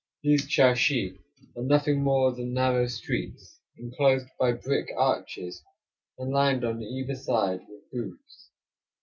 These charshi are nothing more than narrow streets, inclosed by brick arches, and lined on either side with booths.